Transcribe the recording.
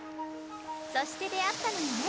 そして出会ったのよね